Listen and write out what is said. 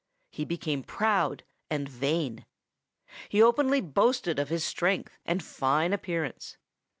He became proud and vain. He openly boasted of his strength and fine appearance.